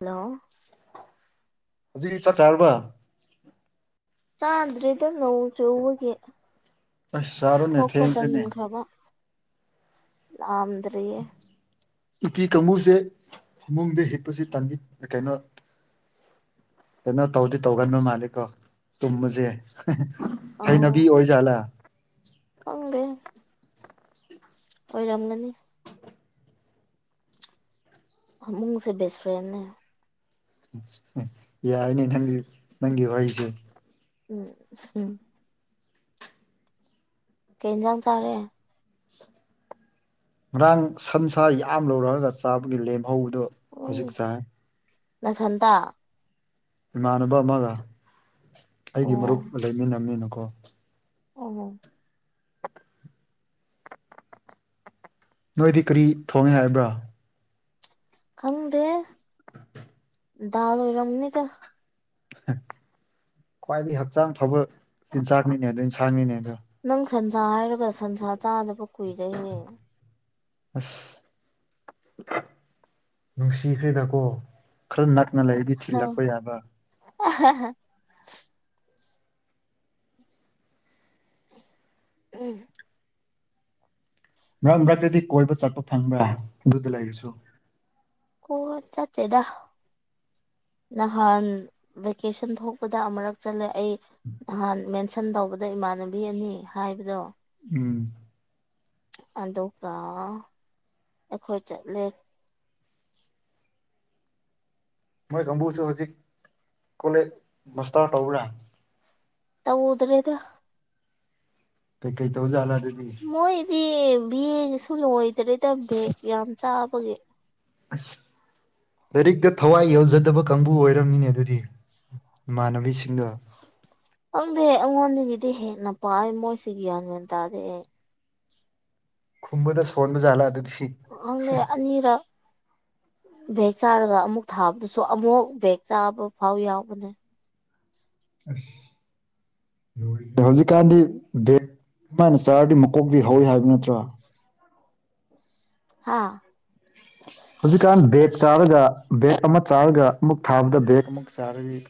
hello ꯍꯧꯖꯤꯛ ꯆꯥꯛ ꯆꯥꯔꯔꯕ ꯆꯗ꯭ꯔꯦ ꯏꯗ ꯅꯣ ꯆꯨꯕꯒꯤ ꯑꯁ ꯆꯥꯔꯣꯅꯦ ꯊꯣꯛꯣꯛꯄ ꯊꯦꯡꯈ꯭ꯔꯦꯅꯦ ꯇꯝꯈ꯭ꯔꯕ ꯑ ꯇꯦ ꯎꯄꯤ ꯀꯥꯡꯕꯨꯁꯦ ꯐꯃꯨꯡꯗ ꯍꯤꯛꯄꯁꯦ ꯇꯟꯏ ꯀꯩꯅꯣ ꯀꯩꯅꯣ ꯇꯧꯗꯤ ꯇꯧꯒꯟꯕ ꯃꯥꯂꯦꯀꯣ ꯇꯨꯝꯕꯁꯦ ꯍꯩꯅꯕꯤ ꯑꯣꯏꯖꯥꯠꯂꯥ ꯐꯗ ꯑꯣꯏꯔꯝꯒꯅꯤ ꯃꯃꯨꯡꯁꯦ ꯕꯁ ꯐ꯭ꯔꯦꯟꯅꯦ ꯌꯥꯏꯅꯦ ꯅꯪꯒꯤ ꯅꯪꯒꯤ ꯋꯥꯔꯤꯍꯩꯁꯦ ꯎꯝ ꯎꯝ ꯀꯩꯦꯟꯖꯥꯡ ꯆꯔꯦ ꯉꯔꯥꯡ ꯁꯝꯁꯥ ꯌꯥꯝ ꯂꯧꯔꯑꯒ ꯆꯥꯕꯒꯤ ꯂꯦꯝꯍꯧꯕꯗꯨꯣ ꯑꯣ ꯅꯁꯟꯗ ꯏꯃꯥꯟꯅꯕ ꯑꯃꯒ ꯑꯣ ꯑꯩꯒꯤ ꯃꯔꯨꯞ ꯂꯩꯃꯤꯟꯅꯕꯅꯤꯅꯀꯣ ꯑꯣ ꯅꯣꯏꯗꯤ ꯀꯔꯤ ꯊꯣꯡꯉꯦ ꯍꯥꯏꯕ꯭ꯔꯣ ꯈꯪꯗꯦ ꯗꯜ ꯑꯣꯏꯔꯝꯅꯤ ꯇ ꯈ꯭ꯋꯥꯏꯗꯒꯤ ꯍꯛꯆꯥꯡ ꯐꯕ ꯆꯤꯟꯖꯥꯛ ꯃꯤꯅꯦ ꯑꯗꯨ ꯏꯟꯁꯥꯡ ꯃꯤꯅꯦ ꯑꯗꯣ ꯅꯪ ꯁꯟꯁꯥ ꯍꯥꯏꯔꯒ ꯁꯟꯁꯥ ꯆꯥꯗꯕ ꯀꯨꯏꯔꯦꯍꯦ ꯑꯁ ꯅꯨꯡꯁꯤꯈ꯭ꯦꯗ ꯀꯣ ꯈꯔ ꯅꯛꯅ ꯂꯩꯔꯗꯤ ꯊꯤꯜꯂꯛꯄ ꯌꯥꯕ ꯑ ꯍꯥ ꯎꯝ ꯃꯔꯛ ꯃꯔꯛꯇꯗꯤ ꯀꯣꯏꯕ ꯆꯠꯄ ꯐꯪꯕ꯭ꯔꯥ ꯑꯗꯨꯗ ꯂꯩꯔꯁꯨ ꯑꯣ ꯆꯠꯇꯦꯗ ꯅꯍꯥꯟ ꯚꯦꯀꯦꯁꯟ ꯊꯣꯛꯄꯗ ꯑꯃꯛ ꯆꯠꯂꯦ ꯑꯩ ꯅꯍꯥꯟ ꯃꯦꯟꯁꯟ ꯇꯧꯕꯗ ꯏꯃꯥꯟꯅꯕꯤ ꯑꯅꯤ ꯍꯥꯏꯕꯗꯣ ꯎꯝ ꯑꯗꯨꯒ ꯑꯩꯈꯣꯏ ꯆꯠꯂꯦ ꯃꯣꯏ ꯀꯥꯡꯕꯨꯁꯨ ꯍꯧꯖꯤꯛ ꯀꯣꯂꯦꯖ ꯃꯥꯁꯇꯥꯔ ꯇꯧꯕ꯭ꯔꯥ ꯇꯧꯗ꯭ꯔꯦꯗ ꯀꯩ ꯀꯩ ꯇꯧꯜꯂ ꯑꯗꯨ ꯃꯣꯏꯗꯤ ꯕꯦꯒꯁꯨ ꯂꯣꯏꯗ꯭ꯔꯦꯗ ꯕꯦꯒ ꯌꯥꯝ ꯆꯥꯕꯒꯤ ꯑꯁ ꯂꯥꯏꯔꯤꯛꯇ ꯊꯋꯥꯏ ꯌꯥꯎꯖꯗꯕ ꯀꯥꯡꯕꯨ ꯑꯣꯏꯔꯝꯃꯤꯅꯦ ꯑꯗꯨꯗꯤ ꯏꯃꯥꯟꯅꯕꯤꯁꯤꯡꯅ ꯈꯪꯗꯦ ꯑꯩꯉꯣꯟꯗꯒꯤꯗꯤ ꯍꯦꯟꯅ ꯄꯥꯏ ꯃꯣꯏꯁꯤ ꯒ꯭ꯌꯥꯟ ꯃꯦꯟ ꯇꯥꯗꯦ ꯑꯩ ꯈꯨꯝꯕꯗ ꯁꫭꯟꯕꯗ ꯁꫭꯟꯕ ꯖꯥꯠꯂꯥ ꯑꯗꯨꯗꯤ ꯈꯪꯗꯦ ꯑꯅꯤꯔꯛ ꯕꯦꯛ ꯆꯥꯔꯒ ꯑꯃꯨꯛ ꯊꯥꯕꯗꯁꯨ ꯑꯃꯨꯛ ꯕꯦꯛ ꯆꯥꯕ ꯐꯥꯎ ꯌꯥꯎꯕꯅꯦ ꯑꯁ ꯍꯧꯖꯤꯛꯀꯥꯟꯗꯤ ꯕꯦꯛ ꯃꯥꯏꯅ ꯆꯥꯔꯗꯤ ꯃꯀꯣꯛꯇꯩ ꯍꯧꯋꯤ ꯍꯥꯏꯕ ꯅꯠꯇ꯭ꯔꯣ ꯍꯥꯥ ꯍꯧꯖꯤꯛꯀꯥꯟ ꯕꯦꯛ ꯆꯥꯔꯒ ꯕꯦꯛ ꯑꯃ ꯆꯥꯔꯒ ꯑꯃꯨꯛ ꯊꯥꯕꯗ ꯕꯦꯛ ꯑꯃꯨꯛ ꯆꯥꯔꯗꯤ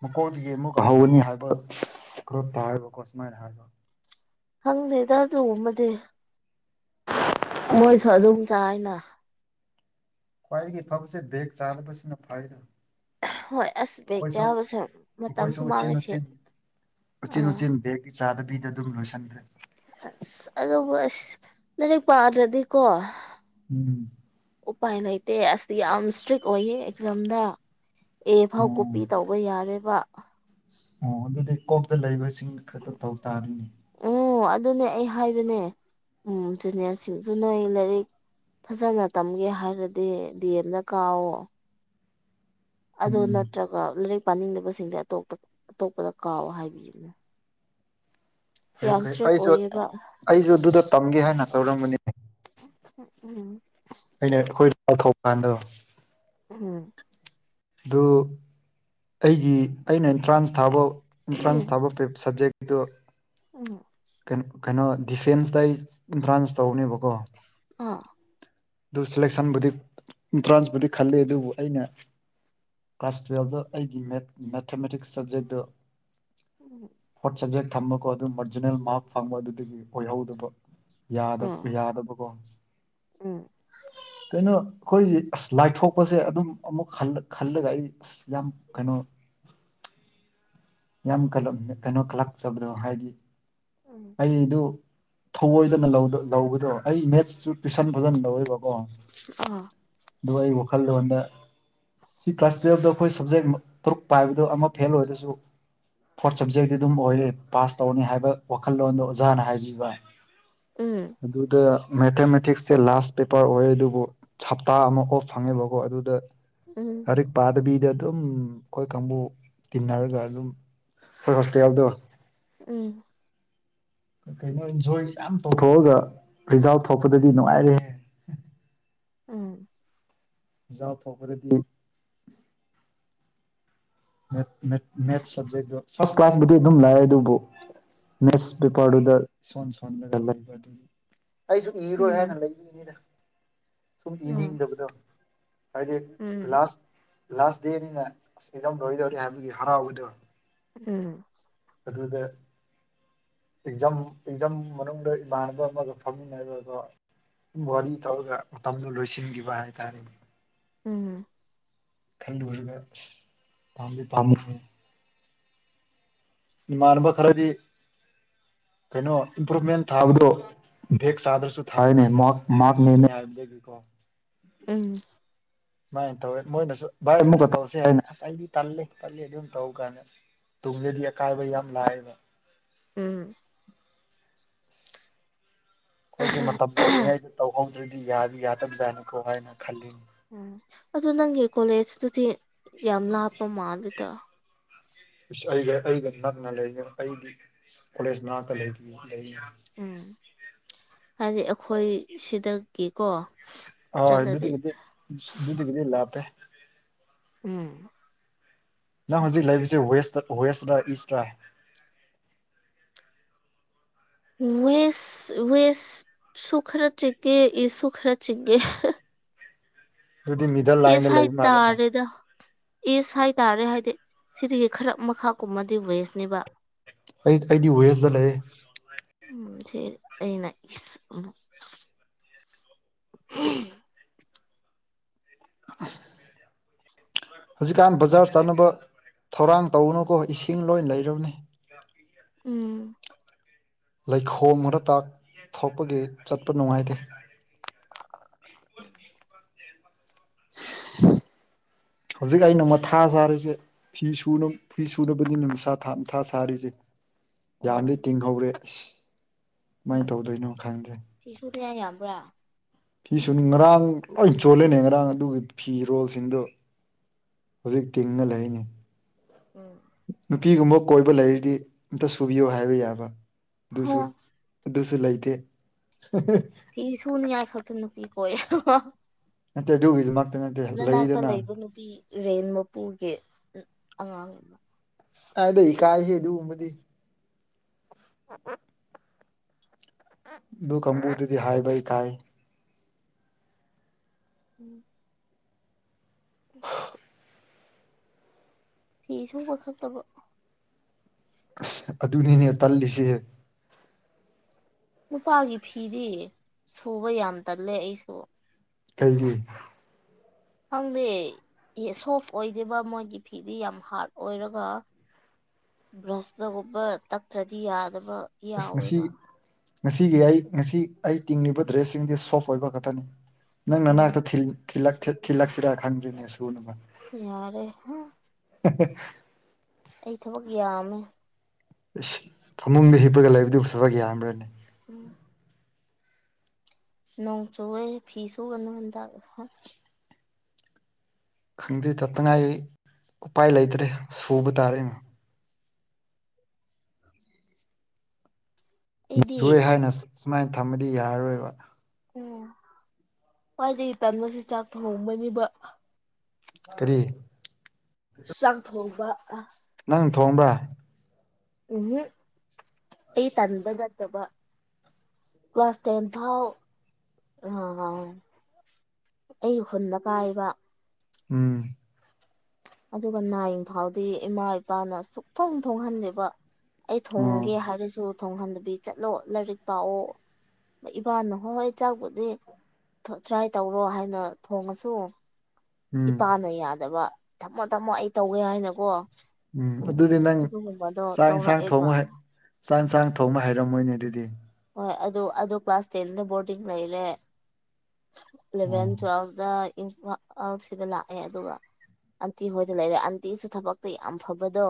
ꯃꯀꯣꯛꯗꯒꯤ ꯑꯃꯨꯛ ꯍꯧꯒꯅꯤ ꯍꯥꯏꯕ ꯈꯔ ꯍꯥꯏꯕꯀꯣ ꯁꯨꯃꯥꯏꯅ ꯍꯥꯏꯕ ꯈꯪꯗꯦꯗ ꯑꯗꯨꯃꯗꯤ ꯃꯣꯏꯁꯨ ꯑꯗꯨꯝ ꯆꯥꯏꯅ ꯈ꯭ꯋꯥꯏꯗꯒꯤ ꯐꯕꯁꯦ ꯕꯦꯒ ꯆꯥꯗꯕꯁꯤꯅ ꯐꯥꯏꯗ ꯍꯣꯏ ꯑꯁ ꯕꯦꯛ ꯆꯥꯕꯁꯦ ꯃꯇꯝꯁꯨ ꯑꯩꯈꯣꯏꯁꯨ ꯎꯆꯤꯟ ꯃꯥꯡꯉꯁꯤ ꯁꯦ ꯎꯆꯤꯟ ꯎꯆꯤꯟ ꯎꯆꯤꯟ ꯕꯦꯛꯇꯤ ꯆꯥꯗꯕꯤꯗ ꯑꯗꯨꯝ ꯂꯣꯏꯁꯤꯟꯈ꯭ꯔꯦ ꯑꯁ ꯑꯗꯨꯕꯨ ꯑꯁ ꯂꯥꯏꯔꯤꯛ ꯄꯥꯗ꯭ꯔꯗꯤꯀꯣ ꯎꯝ ꯎꯄꯥꯏ ꯂꯩꯇꯦ ꯑꯁꯤꯁ ꯌꯥꯝ ꯏꯁꯇ꯭ꯔꯤꯛ ꯑꯣꯏꯌꯦ ꯑꯦꯛꯖꯥꯝꯗ ꯑꯦ ꯐꯥꯎ ꯀꯣꯄꯤ ꯑꯣ ꯇꯧꯕ ꯌꯥꯔꯦꯕ ꯑꯣ ꯑꯗꯨꯗꯤ ꯀꯣꯛꯇ ꯂꯩꯕꯁꯤꯡꯅ ꯈꯛꯇ ꯇꯧ ꯇꯥꯔꯤꯅꯦ ꯎ ꯑꯗꯨꯅꯦ ꯑꯩ ꯍꯥꯏꯕꯅꯦ ꯎꯝ ꯖꯨꯅꯤꯌꫪꯁꯤꯡꯁꯨ ꯅꯣꯏ ꯂꯥꯏꯔꯤꯛ ꯐꯖꯅ ꯇꯝꯒꯦ ꯍꯥꯏꯔꯗꯤ ꯗꯤ ꯑꯦꯝꯗ ꯀꯥꯎꯋꫭ ꯑꯗꯣ ꯎꯝ ꯅꯠꯇ꯭ꯔꯒ ꯂꯥꯏꯔꯤꯛ ꯄꯥꯅꯤꯡꯗꯕꯁꯤꯡꯁ ꯑꯇꯣꯞ ꯑꯇꯣꯞꯄꯗ ꯀꯥꯎ ꯍꯥꯏꯕꯤꯌꯕꯅꯦ ꯐꯩ ꯐꯩ ꯏꯁꯇ꯭ꯔꯤꯛ ꯑꯩꯁꯨ ꯑꯣꯏꯌꯦꯕ ꯑꯩꯁꯨ ꯑꯗꯨꯗ ꯇꯝꯒꯦ ꯍꯥꯏꯅ ꯇꯧꯔꯝꯕꯅꯤ ꯎꯝ ꯑꯩꯅ ꯑꯩꯈꯣꯏ [unintelligible] ꯎꯝ ꯑꯗꯨ ꯑꯩꯒꯤ ꯑꯩꯅ ꯑꯦꯟꯇ꯭ꯔꯥꯟꯁ ꯊꯥꯕ ꯑꯦꯟꯇ꯭ꯔꯥꯟꯁ ꯊꯥꯕ ꯄꯦꯞ ꯁꯕꯖꯦꯛ ꯇꯨ ꯎꯡ ꯀ ꯀꯩꯅꯣ ꯗꯤꯐꯦꯟꯁꯇ ꯑꯩ ꯑꯦꯟꯇ꯭ꯔꯥꯟꯁ ꯇꯧꯅꯦꯕꯀꯣ ꯑꯥ ꯑꯗꯨ ꯁꯦꯂꯦꯛꯁꯟꯕꯨꯗꯤ ꯑꯦꯟꯇ꯭ꯔꯥꯟꯁꯄꯨꯗꯤ ꯈꯜꯂꯤ ꯑꯗꯨꯕꯨ ꯑꯩꯅ ꯀ꯭ꯂꯥꯁ ꯇꯨꯌꯦꯜꯞꯇ ꯑꯩꯒꯤ ꯃꯦꯠ ꯃꯦꯊꯃꯦꯇꯤꯛꯁ ꯁꯕꯖꯦꯛꯇꯣ ꯎꯝ ꯐꫭꯔꯠ ꯁꯕꯖꯦꯛ ꯊꯝꯕꯀꯣ ꯑꯗꯨꯝ ꯃꯔꯖꯤꯅꯦꯜ ꯃꯥꯔꯛ ꯐꯪꯕ ꯑꯗꯨꯗꯒꯤ ꯑꯣꯏꯍꯧꯗꯕ ꯌꯥꯗꯞ ꯎꯝ ꯌꯥꯗꯕ ꯀꫭ ꯎꯝ ꯀꯩꯅꯣ ꯑꯩꯈꯣꯏꯒꯤ ꯑꯁ ꯂꯥꯏꯊꯣꯛꯄꯁꯦ ꯑꯗꯨꯝ ꯑꯃꯨꯛ ꯍꯂꯛꯜꯂꯒ ꯑꯩ ꯑꯁ ꯌꯥꯝ ꯀꯩꯅꯣ ꯌꯥꯝ ꯀꯂ ꯀꯩꯅꯣ ꯈꯂꯛꯆꯕꯗꯣ ꯍꯥꯏꯗꯤ ꯎꯝ ꯑꯩꯗꯨ ꯊꯧꯑꯣꯏꯗꯅ ꯂꯧꯗ ꯂꯧꯕꯗꫭ ꯑꯩ ꯃꯦꯠꯁꯨ ꯇꯨꯁꯟ ꯐꯖꯟ ꯇꯧꯋꯦꯕꯀꯣ ꯑꯗꯨꯒ ꯑꯩ ꯋꯥꯈꯜꯂꯣꯟꯗ ꯁꯤ ꯀ꯭ꯂꯥꯁ ꯇꯨꯌꯦꯜꯞꯇ ꯑꯩꯈꯣꯏ ꯁꯕꯖꯦꯛ ꯇꯔꯨꯛ ꯄꯥꯏꯕꯗꯨ ꯑꯃ ꯐꯦꯜ ꯑꯣꯏꯔꯁꯨ ꯐꯣꯔꯠ ꯁꯕꯖꯦꯛꯇꯤ ꯑꯗꯨꯝ ꯑꯣꯏꯌꯦ ꯄꯥꯁ ꯇꯧꯅꯤ ꯍꯥꯏꯕ ꯋꯥꯈꯜꯂꯣꯟꯗꯣ ꯑꯣꯖꯥꯅ ꯍꯥꯏꯕꯤꯕ ꯎꯝ ꯑꯗꯨꯗ ꯃꯦꯊꯃꯦꯇꯤꯛꯁꯁꯦ ꯂꯥꯁ ꯄꯦꯄꯔ ꯑꯣꯏ ꯑꯗꯨꯕꯨ ꯍꯞꯇꯥ ꯑꯃ ꯑꯣꯐ ꯐꯪꯉꯦꯕꯀꯣ ꯑꯗꯨꯗ ꯎꯝ ꯂꯥꯏꯔꯤꯛ ꯄꯥꯗꯕꯤꯗ ꯑꯗꯨꯝ ꯑꯩꯈꯣꯏ ꯀꯥꯡꯕꯨ ꯇꯤꯟꯅꯔꯒ ꯑꯗꯨꯝ ꯍꯣꯏ ꯍꯁꯇꯇꯥꯦꯜꯗꯣ ꯎꯝ ꯀꯩꯅꯣ ꯏꯟꯖꯣꯏ ꯃꯌꯥꯝ ꯇꯧꯊꯣꯛꯑꯒ ꯔꯤꯖꯥꯜ ꯊꯣꯛꯄꯗꯗꯤ ꯅꯨꯡꯉꯥꯏꯔꯦ ꯎꯝ ꯌꯥꯥꯎ ꯊꯛꯔꯦꯗꯤ ꯃꯦꯠ ꯃꯦꯠ ꯃꯦꯠꯁ ꯁꯕꯖꯦꯛꯇꯣ ꯐꯥꯔꯁ ꯀ꯭ꯂꯥꯁꯕꯨꯗꯤ ꯑꯗꯨꯝ ꯂꯥꯛꯑꯦ ꯑꯗꯨꯕꯨ ꯃꯦꯁꯕꯤ ꯄꯥꯗ ꯁꯣꯟꯣꯟ ꯁꯣꯟ ꯃꯒꯕꯗꯨ ꯑꯩꯁꯨ ꯏꯔꯣ ꯍꯥꯏꯅ ꯂꯩꯅꯦꯗ ꯁꯨꯝ ꯏꯅꯤꯡꯗꯕꯗ ꯍꯥꯏꯗꯤ ꯂꯥꯁ ꯂꯥꯁ ꯗꯦꯅꯤꯅ ꯂꯔꯣꯏꯗꯧꯔꯤ ꯍꯥꯏꯕꯒꯤ ꯍꯔꯥꯎꯕꯗꯧꯅꯤ ꯎꯝ ꯑꯗꯨꯗ ꯑꯦꯛꯖꯥꯝ ꯑꯦꯛꯖꯥꯝ ꯃꯅꯨꯡꯗ ꯏꯃꯥꯟꯅꯕ ꯑꯃꯒ ꯐꯝꯃꯤꯟꯅꯕ ꯑꯗꯣ ꯋꯥꯔꯤ ꯇꯧꯔꯒ ꯃꯇꯝꯗꯨꯣ ꯂꯣꯏꯁꯤꯟꯈꯤꯕ ꯍꯥꯏꯇꯥꯔꯦꯅꯦ ꯎꯝꯝ ꯈꯜꯂꯨꯔꯒ ꯑꯁ ꯄꯥꯝꯗꯤ ꯄꯥꯝꯃꯈ꯭ꯔꯦ ꯃꯅꯕ ꯈꯔꯗꯤ ꯀꯩꯅꯣ ꯏꯝꯄ꯭ꯔꯨꯚꯃꯦꯟ ꯊꯥꯕꯗꯣ ꯚꯦꯛ ꯆꯥꯗ꯭ꯔꯁꯨ ꯊꯥꯔꯅꯦ ꯃꯍꯥꯛ ꯃꯥꯜ ꯅꯦꯝꯃꯦ ꯍꯥꯏꯕꯒꯤꯀꯣ ꯎꯝ ꯁꯨꯃꯥꯏꯅ ꯇꯧꯋꯦ ꯃꯣꯏꯅꯁꯨ ꯚ ꯇꯧꯁꯦ ꯍꯥꯏ ꯑꯁ ꯑꯩꯗꯤ ꯇꯜꯂꯦ ꯇꯂꯦ ꯑꯗꯨꯝ ꯇꯧ ꯀꯥꯟꯗ ꯇꯨꯡꯂꯗꯤ ꯑꯀꯥꯏꯕ ꯌꯥꯝ ꯂꯥꯏꯕ ꯎꯝ ꯑꯩꯈꯣꯏꯁꯦ ꯃꯇꯝ ꯂꯩꯔꯤꯉꯩꯗ ꯇꯧꯍꯧꯗ꯭ꯔꯗꯤ ꯌꯥꯗꯤ ꯌꯥꯗꯕꯖꯥꯅꯤꯀꯣ ꯍꯥꯏꯅ ꯈꯜꯂꯤ ꯎꯝ ꯑꯗꯨ ꯅꯪꯒꯤ ꯀꯣꯂꯦꯖꯇꯨꯗꯤ ꯌꯥꯝ ꯂꯥꯞꯄ ꯃꯥꯜꯂꯗ [unintelligible] ꯑꯩ ꯑꯩꯒ ꯅꯛꯅ ꯂꯩ ꯑꯩꯗꯤ ꯀꯣꯂꯦꯖ ꯃꯅꯥꯛꯇ ꯂꯩ ꯎꯝ ꯍꯥꯏꯗꯤ ꯑꯩꯈꯣꯏ ꯁꯤꯗꯒꯤꯀꯣ ꯍ ꯆꯠꯂꯗꯤ ꯑꯗꯨꯗꯤꯒꯤꯗꯤ ꯑꯗꯨꯗꯤꯒꯤꯗꯤ ꯂ ꯍꯥꯄꯦ ꯎꯝ ꯅꯪ ꯍꯧꯖꯤꯛ ꯂꯩꯁꯦ ꯋꯦꯁꯇ ꯋꯦꯁꯔ ꯏꯁꯇ ꯋꯦꯁ ꯋꯦꯁ ꯁꯨꯈ꯭ꯔ ꯆꯦ ꯏꯁꯨꯨꯈ꯭ꯔ ꯆꯦ ꯑꯗꯨꯗꯤ ꯃꯤꯗꯜ ꯏꯁ ꯂꯥꯏꯟꯗ ꯂꯩꯕ ꯃꯥꯜꯂꯦꯅꯦ ꯍꯥꯏꯇꯥꯔꯦꯗ ꯏꯁ ꯍꯥꯏꯇꯥꯔꯦ ꯍꯥꯏꯗꯤ ꯁꯤꯗꯒꯤ ꯈꯔ ꯃꯈꯥ ꯀꯨꯝꯃꯗꯤ ꯋꯦꯁꯅꯦꯕ ꯑꯩ ꯑꯩꯗꯤ ꯋꯦꯁꯗ ꯂꯩꯌꯦ ꯎꯝ ꯁꯦ ꯑꯩꯅ ꯏꯁ [unintelligible] [unintelligible] ꯍꯧꯖꯤꯛꯀꯥꯟ ꯕꯖꯥꯔ ꯆꯠꯅꯕ ꯊꯧꯔꯥꯡ ꯇꯧꯅꯨꯀꯣ ꯏꯁꯤꯡ ꯂꯣꯏ ꯂꯩꯔꯕꯅꯤ ꯎꯝ ꯂꯩꯈꯣꯝ ꯈ ꯇꯥꯛꯊꯣꯛꯄꯒꯤ ꯆꯠꯄ ꯅꯨꯡꯉꯥꯏꯇꯦ ꯎꯝ ꯍꯧꯖꯤꯛ ꯑ ꯅꯣꯡꯃ ꯊꯥ ꯁꯥꯔꯤꯁꯦ ꯐꯤ ꯁ ꯐꯤ ꯁꯨꯔꯕꯗꯤ ꯅꯨꯃꯤꯁꯥ ꯊꯥ ꯊꯥ ꯁꯥꯔꯤꯁꯦ ꯌꯥꯝꯗꯤ ꯑꯣ ꯇꯤꯡꯍꯧꯔꯦ ꯑꯁ ꯀꯃꯥꯏꯅ ꯇꯧꯗꯣꯏꯅꯣ ꯈꯪꯗ꯭ꯔꯦ ꯁꯤ ꯁꯨꯗꯅ ꯌꯥꯝꯕ꯭ꯔꯥ ꯐꯤꯁꯨ ꯉꯔꯥꯡ ꯂꯣꯏ ꯆꯣꯂꯦꯅꯦ ꯉꯔꯥꯡ ꯑꯗꯨꯒꯤ ꯐꯤꯔꯣꯜꯁꯤꯡꯗꯨꯣ ꯍꯧꯖꯤꯛ ꯇꯤꯡꯉ ꯂꯩꯅꯤ ꯎꯝ ꯅꯨꯄꯤꯒꯨꯝꯕ ꯀꯣꯏꯕ ꯂꯩꯔꯤꯗꯤ ꯑꯝꯇ ꯁꯨꯕꯤꯌꯨ ꯍꯥꯏꯕ ꯌꯥꯕ ꯍ ꯑꯗꯨꯁꯨ ꯑꯗꯨꯁꯨ ꯂꯩꯇꯦ ꯐꯤ ꯁꯨꯅꯤꯉꯥꯏ ꯈꯥꯇ ꯅꯨꯄꯤ ꯀꯣꯏ ꯅꯠꯇꯦ ꯑꯗꯨꯒꯤꯗꯨꯃꯛꯇ ꯅꯠꯇꯦ ꯂꯩꯗꯅꯪ ꯄꯤ ꯔꯦꯟ ꯃꯄꯨꯒꯤ ꯑꯉꯥꯡ ꯑꯃ ꯑꯗ ꯑꯩ ꯀꯥꯏꯌꯦ ꯑꯗꯨꯒꯨꯝꯕꯗꯤ ꯑ ꯑ [inaudible] ꯑꯗꯨ ꯀꯥꯡꯕꯨꯗꯨꯗꯤ ꯍꯥꯏꯕ ꯢꯀꯥꯏ ꯎꯝ [inaudible] ꯑ [inaudible] ꯐꯤ ꯁꯨꯕ ꯈꯛꯇꯕꯨ ꯑꯗꯨꯅꯤꯅꯦ ꯇꯜꯂꯤꯁꯦ ꯅꯨꯄꯥꯒꯤ ꯐꯤꯗꯤ ꯁꯨꯕ ꯌꯥꯝ ꯇꯜꯂꯦ ꯑꯩꯁꯨ ꯀꯩꯒꯤ ꯈꯪꯗꯦ ꯁꯣꯐ ꯑꯣꯏꯗꯦꯕ ꯃꯣꯏꯒꯤ ꯐꯤꯗꯤ ꯌꯥꯝ ꯍꯥꯔꯠ ꯑꯣꯏꯔꯒ ꯕ꯭ꯔꯁꯅꯒꯨꯝꯕ ꯇꯛꯇ꯭ꯔꯗꯤ ꯌꯥꯗꯕ ꯑꯁ ꯉꯁꯤ ꯌꯥꯎꯋꯦꯕ ꯉꯁꯤꯒꯤ ꯑꯩ ꯉꯁꯤ ꯑꯩ ꯇꯤꯡꯂꯤꯕ ꯗ꯭ꯔꯦꯁꯁꯤꯡꯗꯤ ꯁꯣꯐ ꯑꯣꯏꯕ ꯈꯛꯇꯅꯤ ꯅꯪ ꯎꯝ ꯅꯅꯥꯛꯇ ꯊꯤꯜꯂꯛꯁꯤꯔꯥ ꯈꯪꯗ꯭ꯔꯤꯅꯦ ꯁꯨꯅꯕ ꯌꯥꯔꯦ ꯍꯦ [inaudible] ꯑꯩ ꯊꯕꯛ ꯌꯥꯝꯃꯦ ꯐꯃꯨꯡꯗ ꯍꯤꯞꯄꯒ ꯂꯩꯕꯗꯨ ꯊꯕꯛ ꯌꯥꯝꯕ꯭ꯔꯅꯦ ꯎꯝ ꯅꯣꯡ ꯆꯨꯑꯦ ꯐꯤꯁꯨꯨꯒꯅꯨ ꯍꯥꯟ ꯈꯪꯗꯦ ꯇꯉꯥꯏ ꯎꯄꯥꯏ ꯂꯩꯇ꯭ꯔꯦ ꯁꯨꯕ ꯇꯥꯔꯦ ꯅꯣꯡ ꯑꯩꯗꯤ ꯁꯨꯢꯌꯦ ꯍꯥꯢꯅ ꯁꯨꯃꯥꯏꯅ ꯊꯝꯃꯗꯤ ꯌꯥꯔꯔꯣꯏꯕ ꯎꯝ ꯈꯣꯢꯗꯒꯤ ꯇꯟꯕꯁꯦ ꯆꯥꯛ ꯊꯣꯛꯕꯅꯤꯕ ꯀꯔꯤ ꯆꯥꯛꯊꯣꯡꯕ ꯅꯪ ꯊꯣꯡꯕ꯭ꯔꯥ ꯎꯝ ꯍꯨꯝ ꯑꯩ ꯇꯟꯗ ꯆꯠꯇꯕ ꯀ꯭ꯂꯥꯁ ꯇꯦꯟ ꯐꯥꯎ ꯑꯩꯒꯤ ꯍꯨꯟꯗ ꯄꯥꯏꯕ ꯎꯝ ꯑꯗꯨꯒ ꯅꯥꯏꯡ ꯐꯥꯎꯗꯤ ꯏꯃꯥ ꯏꯄꯥꯅ ꯁꯨꯛ ꯊꯣꯡ ꯊꯣꯡꯍꯟꯂꯦꯕ ꯑꯩ ꯑꯣ ꯊꯣꯡꯒꯦ ꯍꯥꯏꯔꯁꯨ ꯊꯣꯡꯍꯟꯗꯕꯤ ꯆꯠꯂꯣ ꯂꯥꯏꯔꯤꯛ ꯄꯥꯛꯑꯣ ꯏꯕꯥꯅ ꯍꯣꯏ ꯍꯣꯏ ꯆꯥꯛꯄꯗꯤ ꯇ꯭ꯔꯥꯏ ꯇꯧꯔꯣ ꯍꯥꯏꯅ ꯊꯣꯡꯉꯁꯨ ꯎꯝ ꯏꯄꯥꯅ ꯌꯥꯗꯕ ꯊꯝꯃꯣ ꯊꯝꯃꯣ ꯑꯩ ꯇꯧꯒꯦ ꯍꯥꯏꯅꯀꯣ ꯎꯝ ꯑꯗꯨꯗꯤ ꯅꯪ ꯑꯗꯨꯒꯨꯝꯕꯗꯣ ꯆꯥꯛ ꯌꯦꯟꯁꯥꯡ ꯇꯧꯔꯛꯑꯦꯕ ꯊꯣꯡꯕ ꯆꯥꯛ ꯌꯦꯟꯁꯥꯡ ꯊꯣꯡꯕ ꯍꯩꯔꯝꯃꯣꯏꯅꯦ ꯑꯗꯨꯗꯤ ꯍꯣꯏ ꯑꯗꯨ ꯑꯗꯨ ꯀ꯭ꯂꯥꯁ ꯇꯦꯟꯗ ꯕꯣꯔꯗꯤꯡ ꯂꯩꯔꯦ ꯏꯂꯦꯚꯦꯟ ꯎꯝ ꯇꯨꯋꯦꯜ ꯗ ꯏꯝꯐꯥꯜ ꯁꯤꯗ ꯂꯥꯛꯑꯦ ꯑꯗꯨꯒ ꯑꯟꯇꯤ ꯍꯣꯏꯗ ꯂꯩꯔꯦ ꯑꯟꯇꯤꯁꯨ ꯊꯕꯛꯇꯣ ꯌꯥꯝ ꯐꯕꯗꯣ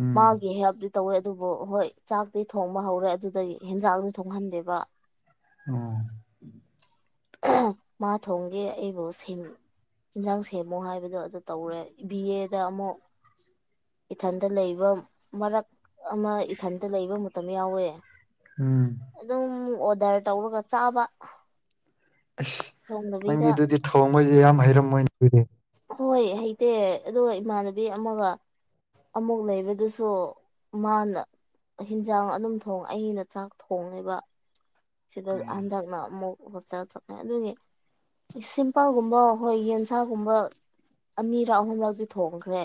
ꯎꯝ ꯃꯥꯒꯤ ꯍꯦꯜꯞꯇꯤ ꯇꯧꯋꯦ ꯑꯗꯨꯕꯨ ꯍꯣꯏ ꯆꯥꯛꯇꯤ ꯊꯣꯡꯕ ꯍꯧꯔꯦ ꯑꯗꯨꯗꯒꯤ ꯍꯦꯟꯖꯥꯡꯗꯨ ꯊꯣꯡꯍꯟꯗꯦꯕ ꯑꯣ ꯃꯥ ꯊꯣꯡꯒꯦ ꯑꯩꯕꯨ ꯌꯦꯟꯁꯥꯡ ꯁꯦꯝꯃꯨ ꯍꯥꯏꯕꯗꯣ ꯑꯗꯨ ꯇꯧꯔꯦ ꯕꯤ ꯑꯦꯗ ꯑꯃꯨꯛ ꯏꯊꯟꯗ ꯂꯩꯕ ꯃꯔꯛ ꯑꯃ ꯏꯊꯟꯗ ꯂꯩꯕ ꯃꯇꯝ ꯌꯥꯎꯋꯦ ꯎꯝ ꯑꯗꯨꯝ ꯑꯣꯗꯔ ꯇꯧꯔꯒ ꯆꯥꯕ ꯑꯁ ꯊꯣꯡꯗꯕꯤꯗ ꯅꯪꯒꯤꯗꯨꯗꯤ ꯊꯑꯣꯡꯉꯣꯏꯁꯦ ꯌꯥꯝ ꯍꯩꯔꯝꯃꯣꯏꯅꯦ ꯑꯗꯨꯗꯤ ꯍꯣꯏ ꯍꯩꯇꯦ ꯑꯣ ꯏꯃꯥꯟꯅꯕꯤ ꯑꯃꯒ ꯑꯃꯨꯛ ꯂꯩꯕꯗꯨꯁꯨ ꯃꯥꯅ ꯍꯤꯟꯖꯥꯡ ꯑꯗꯨꯝ ꯊꯣꯡ ꯑꯩꯅ ꯆꯥꯛ ꯊꯣꯡꯉꯦꯕ ꯁꯤꯗ ꯍꯟꯗꯛꯅ ꯑꯃꯨꯛ ꯍꯣꯁꯇꯦꯜ ꯆꯠꯂꯦ ꯑꯗꯨꯒꯤ ꯁꯤꯝꯄꯜꯒꯨꯝꯕ ꯑꯩꯈꯣꯏ ꯌꯦꯟꯁꯥꯒꯨꯝꯕ ꯑꯅꯤꯔꯛ ꯑꯍꯨꯝꯔꯥꯎꯗꯤ ꯊꯣꯡꯈ꯭ꯔꯦ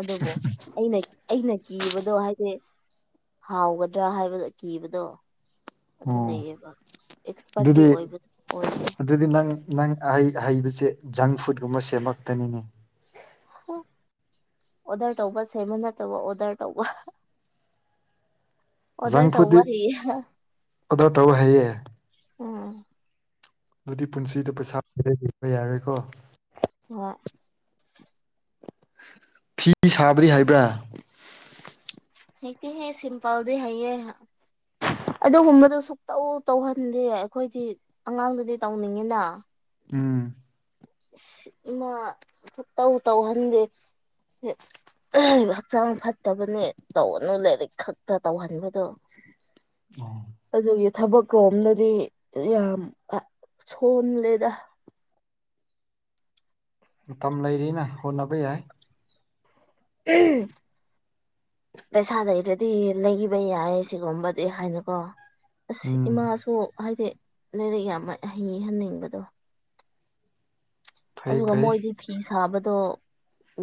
ꯑꯗꯨꯕꯨ ꯑꯩꯅ ꯑꯩꯅ ꯀꯤꯕꯗꯣ ꯍꯥꯏꯗꯤ ꯍꯥꯎꯒꯗ꯭ꯔꯥ ꯍꯥꯏꯕꯗꯣ ꯀꯤꯕꯗꯣ ꯑꯗꯨ ꯑꯣ ꯂꯩꯌꯦꯕ ꯑꯦꯛꯁꯄꯥꯔꯠꯇꯤ ꯑꯗꯨꯗꯤ ꯑꯣꯏꯕ ꯑꯣꯏꯗꯦ ꯑꯗꯨꯗꯤ ꯅꯪ ꯅꯪꯩ ꯍꯩꯕꯁꯦ ꯖꯪ ꯐꯨꯗꯀꯨꯝꯕ ꯁꯦꯝꯂꯛꯇꯅꯤꯅꯦ ꯑꯣꯗꯔ ꯇꯧꯕ ꯁꯦꯝꯦꯃ ꯅꯠꯇꯧꯕ ꯑꯣꯗꯔ ꯇꯧꯕ ꯖꯪ ꯑꯣꯗꯔ ꯐꯨꯗ ꯇꯧꯕ ꯍꯩꯌꯦ ꯑꯣꯗꯔ ꯇꯧ ꯍꯥꯏꯌꯦꯦ ꯎꯝ ꯑꯗꯨꯗꯤ ꯄꯨꯟꯁꯤꯗ ꯄꯩꯁꯥꯕ ꯌꯥꯔꯣꯏꯀꯣ ꯑ ꯐꯤ ꯁꯥꯕꯗꯤ ꯍꯥꯏꯕ꯭ꯔꯥ ꯍꯦꯗꯤ ꯍ ꯁꯤꯝꯄꯜꯗꯤ ꯍꯥꯏꯌꯦ ꯑꯗꯨꯒꯨꯝꯕꯗꯨꯣ ꯁꯨꯛꯇꯧ ꯇꯧꯍꯟꯗꯦ ꯑꯩꯈꯣꯏꯗꯤ ꯑꯉꯥꯡꯗꯨꯗꯤ ꯇꯧꯅꯤꯡꯉꯤꯅ ꯎꯝ ꯃꯥ ꯇꯧ ꯇꯧꯍꯟꯗꯦ ꯍꯛꯆꯥꯡ ꯐꯠꯇꯕꯅꯦ ꯇꯧꯅꯨ ꯂꯥꯏꯔꯤꯛ ꯈꯛꯇ ꯇꯧꯍꯟꯕꯗꯣ ꯑꯣ ꯑꯗꯨꯒꯤ ꯊꯕꯛ ꯂꯣꯝꯗꯗꯤ ꯌꯥꯝ ꯁꯣꯂꯦꯗ ꯃꯇꯝ ꯂꯩꯔꯤꯅ ꯍꯣꯠꯅꯕ ꯌꯥꯏ ꯎꯝ ꯄꯩꯁꯥꯗꯔꯗꯤ ꯂꯩꯕ ꯌꯥꯏ ꯁꯤꯒꯨꯝꯕꯗꯤ ꯍꯥꯏꯅꯀꯣ ꯑꯁ ꯎꯝ ꯏꯃꯥꯁꯨ ꯍꯥꯏꯗꯤ ꯂꯥꯏꯔꯤꯛ ꯌꯥꯝꯕ ꯍꯩꯍꯟꯅꯤꯡꯕꯗꯣ ꯐꯩ ꯑꯗꯨꯒ ꯐꯩ ꯃꯣꯏꯗꯤ ꯐꯤ ꯁꯥꯕꯗꯣ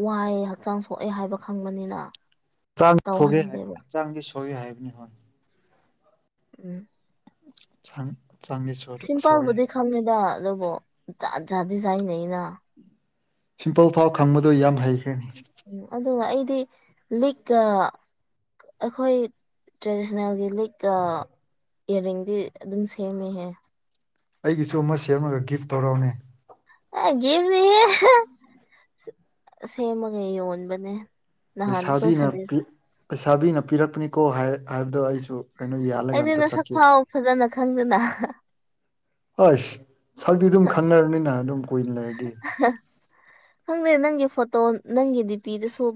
ꯋꯥꯏꯑꯦ ꯍꯛꯆꯥꯡ ꯁꯣꯛꯑꯦ ꯍꯥꯏꯕ ꯈꯪꯕꯅꯤꯅ ꯆꯥꯡ ꯁꯒꯦ ꯍꯥꯏꯛ ꯇꯧꯍꯟꯗꯦꯕ ꯆꯥꯡꯗꯤ ꯁꯣꯒꯦ ꯍꯥꯏꯕꯅꯤ ꯍꯣꯏꯅꯤ ꯎꯝ ꯁꯪꯡ [unintelligible] ꯁꯤꯝꯄꯜꯕꯨꯗꯤ ꯈꯪꯉꯗ ꯑꯗꯨꯕꯨ ꯖꯥꯠ ꯖꯥꯠꯗꯤ ꯆꯥꯏꯅꯩꯩꯅ ꯁꯤꯝꯄꯜ ꯐꯥꯎ ꯈꯪꯕꯗꯨ ꯌꯥꯝ ꯍꯩꯈ꯭ꯔꯦ ꯎ ꯑꯗꯨꯒ ꯑꯩꯗꯤ ꯂꯤꯛꯀꯑ ꯑꯩꯈꯣꯏ ꯇ꯭ꯔꯦꯗꯤꯁꯅꯦꯜꯒꯤ ꯂꯤꯛꯀ ꯏꯌꯥꯔꯤꯡꯗꯤ ꯑꯗꯨꯝ ꯁꯦꯝꯃꯤꯍꯦ ꯑꯩꯒꯤꯁꯨ ꯑꯃ ꯁꯦꯝꯃꯒ ꯒꯤꯐ ꯇꯧꯔꯛꯎꯅꯦ ꯑꯒꯤꯁꯤ ꯁꯦꯝꯃꯒ ꯌꯣꯟꯕꯅꯦ ꯅꯍꯥꯟꯗꯨꯁꯨ ꯂꯩꯁꯥꯕꯤꯅ ꯁꯟꯗꯦꯁ ꯂꯩꯁꯥꯕꯤꯅ ꯄꯤꯔꯛꯄꯅꯤꯀꯣ ꯍꯥꯏꯕꯗꯣ ꯑꯩꯁꯨ ꯀꯩꯅꯣ ꯌꯥꯜꯂꯒ ꯑꯗꯤ ꯑꯝꯇ ꯅꯁꯛ ꯆꯠꯀꯦ ꯐꯥꯎ ꯐꯖꯅ ꯈꯪꯗꯅ ꯍꯁ ꯁꯛꯇꯤ ꯑꯗꯨꯝ ꯈꯪꯅꯔꯕꯅꯤꯅ ꯑꯗꯨꯝ ꯀꯨꯏꯅ ꯂꯩꯔꯗꯤ ꯈꯪꯗꯦ ꯅꯪꯒꯤ ꯐꯣꯇꯣ ꯅꯪꯒꯤ ꯗꯤ ꯄꯤꯗ ꯁꯨꯦ